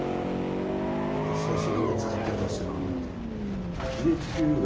ここ吉田茂が使ってるとは知らなかったな。